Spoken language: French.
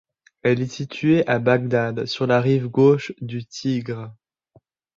Elle est située à Bagdad sur la rive gauche du Tigre.